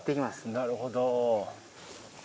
なるほど。